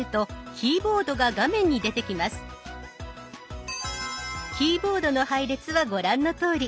キーボードの配列はご覧のとおり。